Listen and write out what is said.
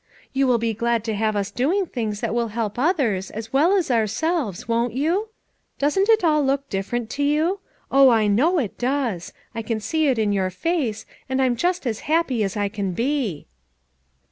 You will bo glad to have us doing things that will help others, as well as ourselves, won't you? Doesn't it all look different to you? Oh, I know it does; I can see it in your face, and I'm just as happy as I can he.